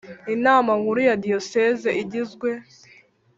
Inama nkuru ya diyoseze igizwe